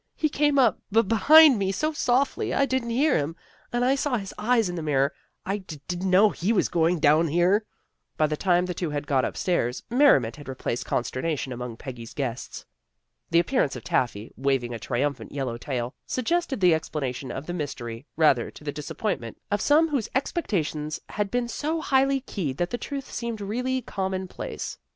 " He came up be behind me so softly, I didn't hear him, and I saw his eyes in the mirror. I d didn't know he was down here." By the time the two had got upstairs, merri ment had replaced consternation among Peggy's guests. The appearance of Taffy, waving a tri umphant yellow tail, suggested the explana tion of the mystery, rather to the disappoint ment of some whose expectations had been so highly keyed that the truth seemed really commonplace.